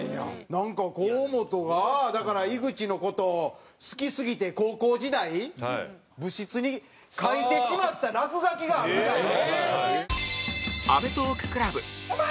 なんか河本が井口の事を好きすぎて高校時代部室に書いてしまった落書きがあるみたいよ。